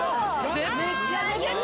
めっちゃ出てた